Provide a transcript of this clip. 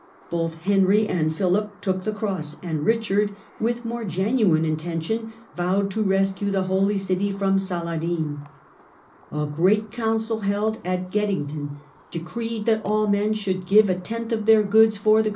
Both Henry and Philip took the Cross, and Richard with more genuine intention vowed to rescue the Holy City from Saladin. A great council held at Geddington decreed that all men The can to a should give a tenth of their goods for the crasade.